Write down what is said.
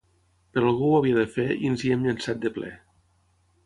Però algú ho havia de fer i ens hi hem llançat de ple.